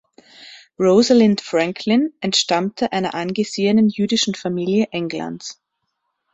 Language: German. Rosalind Franklin entstammte einer angesehenen jüdischen Familie Englands.